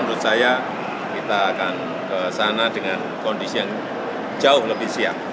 menurut saya kita akan ke sana dengan kondisi yang jauh lebih siap